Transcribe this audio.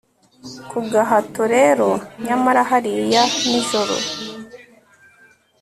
Ku gahato rero nyamara hariya nijoro